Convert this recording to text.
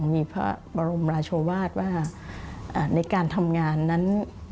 มีพระบรมราชวาสว่าในการทำงานนั้น